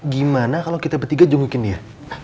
gimana kalau kita bertiga jungukin dia